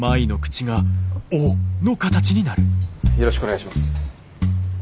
よろしくお願いします。